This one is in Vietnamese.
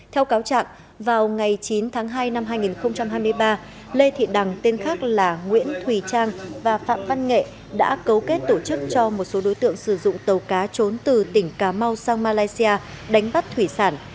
theo cáo trạng vào ngày chín tháng hai năm hai nghìn hai mươi ba lê thị đằng tên khác là nguyễn thùy trang và phạm văn nghệ đã cấu kết tổ chức cho một số đối tượng sử dụng tàu cá trốn từ tỉnh cà mau sang malaysia đánh bắt thủy sản